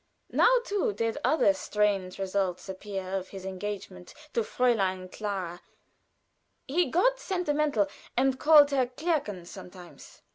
Now too did other strange results appear of his engagement to Fräulein Clara (he got sentimental and called her Clärchen sometimes).